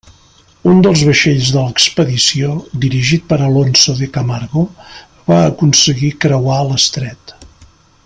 Un dels vaixells de l'expedició, dirigit per Alonso de Camargo, va aconseguir creuar l'estret.